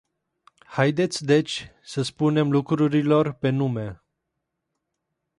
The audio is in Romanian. Haideți deci să spunem lucrurilor pe nume.